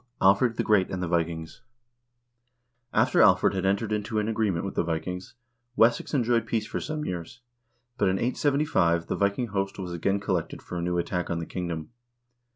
Alfred the Great and the Vikings After Alfred had entered into an agreement with the Vikings, Wessex enjoyed peace for some years, but in 875 the Viking host was again collected for a new attack on the kingdom.